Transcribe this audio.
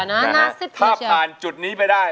ในท้าภาพทานจุดนี้ไปได้